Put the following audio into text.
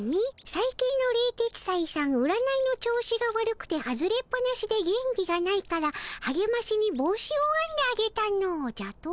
「さい近の冷徹斎さん占いの調子が悪くて外れっぱなしで元気がないからはげましに帽子をあんであげたの」じゃと？